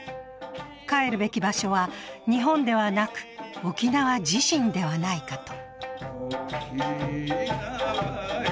かえるべき場所は日本ではなく沖縄自身ではないかと。